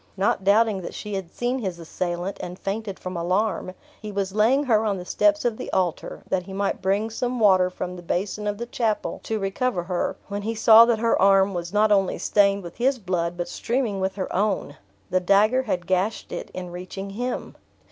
Not doubting that she had seen his assailant, and fainted from alarm, he was laying her on the steps of the altar, that he might bring some water from the basin of the chapel to recover her, when he saw that her arm was not only stained with his blood, but streaming with her own. The dagger had gashed it in reaching him.